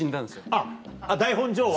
あっ台本上は。